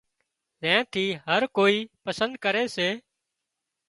زين ٿي هر ڪوئي پسند ڪري سي